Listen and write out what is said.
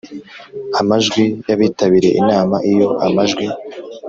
amajwi y abitabiriye inama Iyo amajwi